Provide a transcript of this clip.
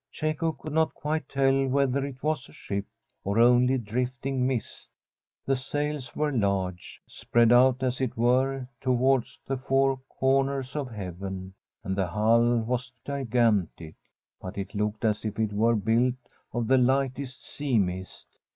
Cecco could not quite tell whether it was a ship or only drifting mist. The sails were large, spread out, as it were, towards the four corners of heaven ; and the hull was gigantic, but it looked as if it were built of the lightest sea mist.